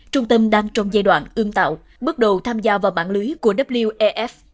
trung tâm đang trong giai đoạn ương tạo bước đầu tham gia vào bản lưới của wef